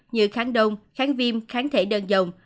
như kháng đông kháng viêm kháng thể đơn dòng